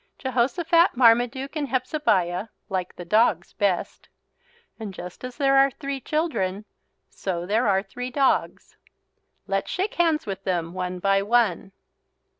Jehosophat, Marmaduke, and Hepzebiah like the dogs best. And just as there are three children so there are three dogs. Let's shake hands with them, one by one.